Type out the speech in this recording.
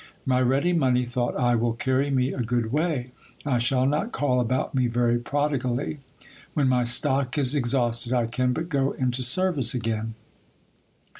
My ready money, thought I, will carry me a gcod way ; I shall not call about me very prodigally. When my stock is ex hausted, I can but go into service again.